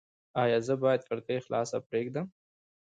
ایا زه باید کړکۍ خلاصه پریږدم؟